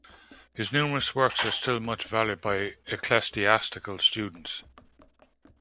His numerous works are still much valued by ecclesiastical students.